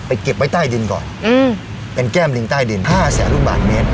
เก็บไว้ใต้ดินก่อนเป็นแก้มลิงใต้ดิน๕แสนลูกบาทเมตร